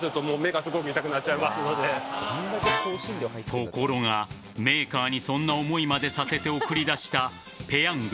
ところがメーカーにそんな思いまでさせて送り出したペヤング